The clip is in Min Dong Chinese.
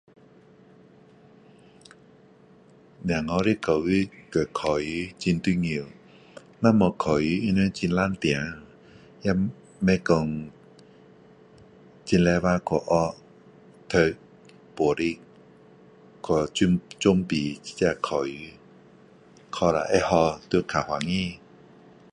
小孩的教育和考书很重要，那无考书他们很懒惰，也不讲，很勤劳去学，读，补习，去准准备这个考书。考了会好，就很欢喜。